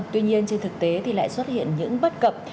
tuy nhiên trên thực tế thì lại xuất hiện những bất cập